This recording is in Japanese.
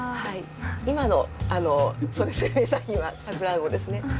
今の名産品はさくらんぼですね。